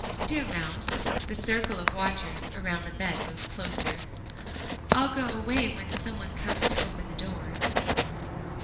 "Dear mouse," the circle of watchers around the bed moved closer, "I'll go away when some one comes to open the door."